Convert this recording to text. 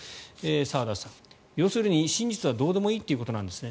澤田さん、要するに真実はどうでもいいということなんですね